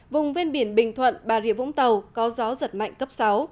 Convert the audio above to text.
vùng ven biển bình thuận bà rịa vũng tàu có gió giật mạnh cấp sáu